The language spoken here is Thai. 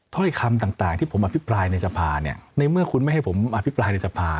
ถ้อยคำต่างที่ผมอภิปรายในสภาเนี่ยในเมื่อคุณไม่ให้ผมอภิปรายในสภา